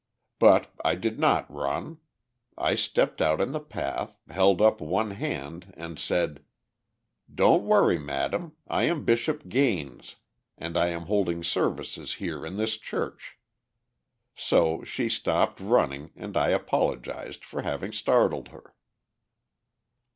But I did not run. I stepped out in the path, held up one hand and said: "'Don't worry, madam, I am Bishop Gaines, and I am holding services here in this church.' So she stopped running and I apologised for having startled her."